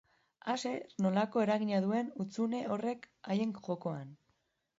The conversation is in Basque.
Ea zer nolako eragina duen hutsune horrek haien jokoan.